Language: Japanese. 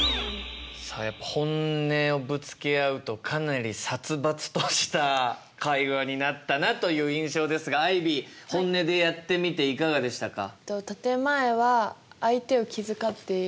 さあやっぱ本音をぶつけ合うとかなり殺伐とした会話になったなという印象ですがアイビー本音でやってみていかがでしたか？